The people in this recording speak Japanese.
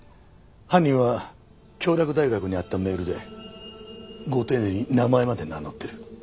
犯人は京洛大学に宛てたメールでご丁寧に名前まで名乗ってる。